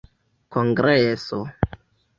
kongreso